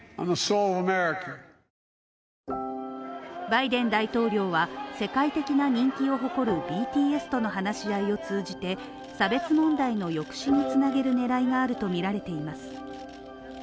バイデン大統領は、世界的な人気を誇るＢＴＳとの話し合いを通じて差別問題の抑止につなげる狙いがあるとみられています。